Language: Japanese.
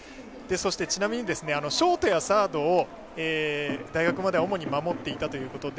そして、ちなみにショートやサードを大学までは主に守っていたということで